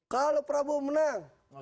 kalau prabowo menang